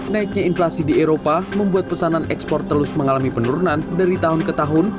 naiknya inflasi di eropa membuat pesanan ekspor terus mengalami penurunan dari tahun ke tahun